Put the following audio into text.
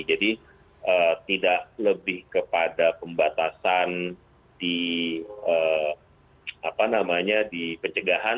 jadi tidak lebih kepada pembatasan di apa namanya di pencegahan